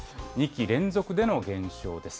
２期連続での減少です。